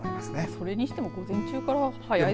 それにしても午前中から早いですね。